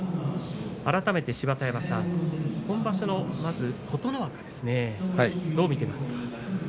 改めて芝田山さん、今場所の琴ノ若ですねどう見ていますか。